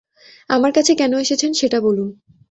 আমার কাছে কেন এসেছেন, সেটা বলুন।